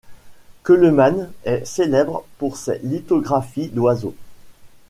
Keulemans est célèbre pour ses lithographies d'oiseaux.